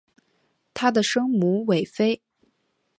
她的生母韦妃。